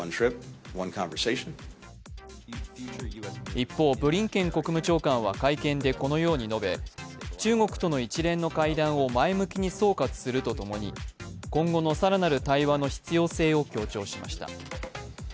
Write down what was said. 一方ブリンケン国務長官は会見でこのように述べ中国との一連の会談を前向きに総括すると共に今後の更なる対話の必要性を強調しました。